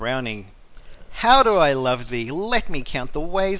XLIII How do I love thee? Let me count the ways.